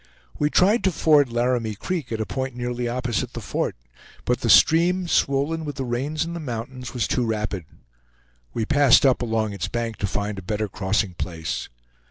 We tried to ford Laramie Creek at a point nearly opposite the fort, but the stream, swollen with the rains in the mountains, was too rapid. We passed up along its bank to find a better crossing place.